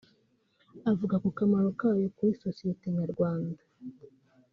Avuga ku kamaro kayo kuri sosiyete Nyarwanda